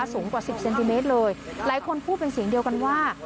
สูงกว่าสิบเซนติเมตรเลยหลายคนพูดเป็นเสียงเดียวกันว่า